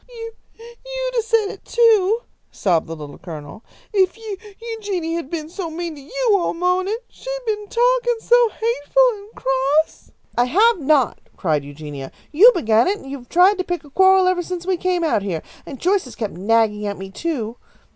"You you'd have said it, too!" sobbed the Little Colonel, "if Eu Eugenia had been so mean to you all mawnin'! She's been t talkin so hateful and cross " "I have not!" cried Eugenia. "You began it, and you have tried to pick a quarrel ever since we came out here, and Joyce has kept nagging at me, too.